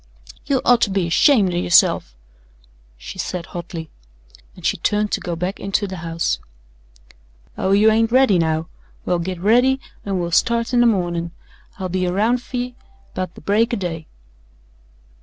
"You oughter be ashamed o' yourself," she said hotly, and she turned to go back into the house. "Oh, you ain't ready now. Well, git ready an' we'll start in the mornin'. I'll be aroun' fer ye 'bout the break o' day."